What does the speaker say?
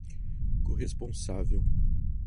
corresponsável